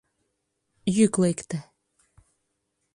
Йӱк лекте.